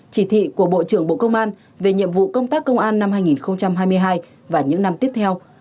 chỉ thị của bộ trưởng bộ công an về nhiệm vụ công tác công an năm hai nghìn hai mươi hai và những năm tiếp theo